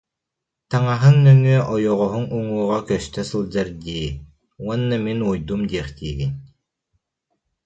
Таҥаһыҥ нөҥүө ойоҕоһуҥ уҥуоҕа көстө сылдьар дии уонна мин уойдум диэхтиигин